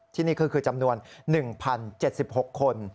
ที่นี่ก็คือจำนวน๑๐๗๖คน